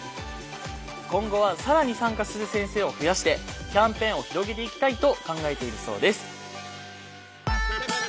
今後は更に参加する先生を増やしてキャンペーンを広げていきたいと考えているそうです。